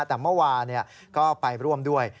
แต่เมื่อวานก็ไปร่วมด้วย